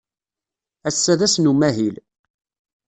Ass-a d ass n umahil.